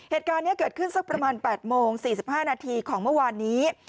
เหตุการณ์นี้เกิดขึ้นสักประมาณ๘โมง๔๕นาทีของเมื่อวานนี้